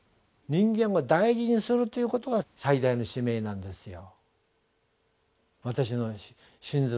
人間を大事にするということが最高のスタンダードなんですよ。